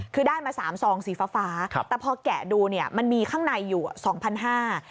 คือได้มา๓ซองสีฟ้าแต่พอแกะดูเนี่ยมันมีข้างในอยู่๒๕๐๐บาท